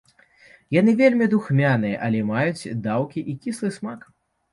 Яны вельмі духмяныя, але маюць даўкі і кіслы смак.